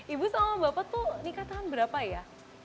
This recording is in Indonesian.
ibu sama bapak tuh nikah tahun berapa ya